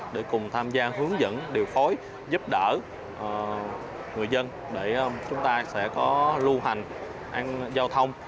để cùng tham gia hướng dẫn điều phối giúp đỡ người dân để chúng ta sẽ có lưu hành giao thông